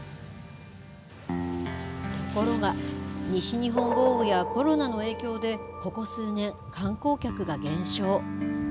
ところが、西日本豪雨やコロナの影響で、ここ数年、観光客が減少。